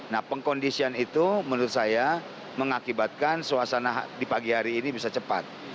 nah pengkondisian itu menurut saya mengakibatkan suasana di pagi hari ini bisa cepat